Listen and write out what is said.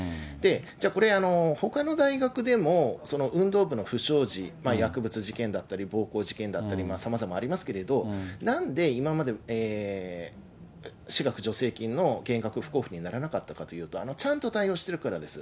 じゃあこれ、ほかの大学でも運動部の不祥事、薬物事件だったり暴行事件だったり、さまざまありますけれど、なんで今まで私学助成金の減額、不交付にならなかったかというと、ちゃんと対応しているからです。